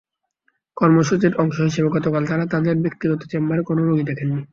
কর্মসূচির অংশ হিসেবে গতকাল তাঁরা তাঁদের ব্যক্তিগত চেম্বারে কোনো রোগী দেখেননি।